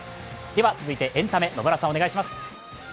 では続いてエンタメ、野村さん、お願いします。